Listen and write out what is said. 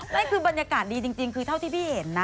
นั่นคือบรรยากาศดีจริงคือเท่าที่พี่เห็นนะ